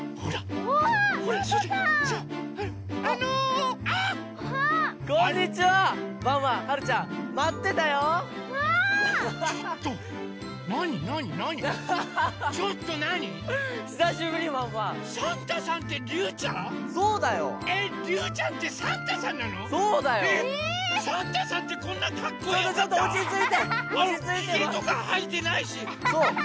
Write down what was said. ヒゲとかはえてないし。